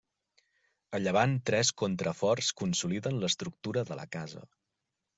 A llevant tres contraforts consoliden l'estructura de la casa.